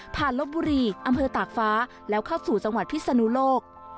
ลบบุรีอำเภอตากฟ้าแล้วเข้าสู่จังหวัดพิศนุโลก